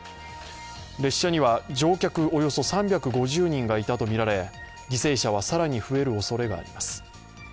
列車には、乗客およそ３５０人がいたとみられ犠牲者は、更に増えるおそれがあります。